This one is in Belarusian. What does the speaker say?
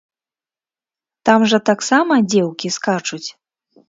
Там жа таксама дзеўкі скачуць!